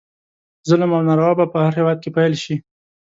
ظلم او ناروا به په هر هیواد کې پیل شي.